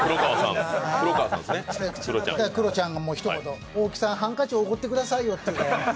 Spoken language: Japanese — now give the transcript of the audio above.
クロちゃんがひと言、大木さん、ハンカチをおごってくださいよって。